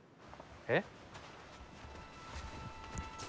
えっ？